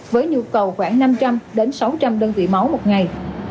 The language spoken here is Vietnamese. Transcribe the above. với nhu cầu khoảng năm trăm linh sáu trăm linh đơn vị máu một ngày